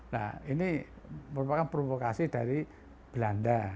nah ini merupakan provokasi dari belanda